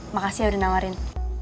makasih ya udah nawarin